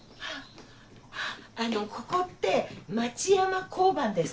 あのここって町山交番ですか？